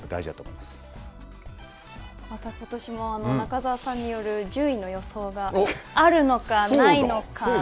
また、ことしも中澤さんによる順位の予想があるのかないのか。